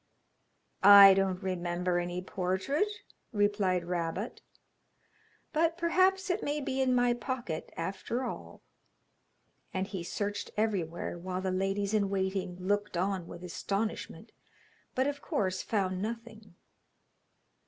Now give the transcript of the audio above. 'I don't remember any portrait,' replied Rabot; 'but perhaps it may be in my pocket after all.' And he searched everywhere, while the ladies in waiting looked on with astonishment, but of course found nothing.